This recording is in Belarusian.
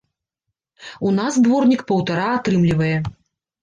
У нас дворнік паўтара атрымлівае.